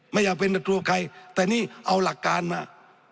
ไม่อยากเป็นตัวใครแต่นี่เอาหลักการมา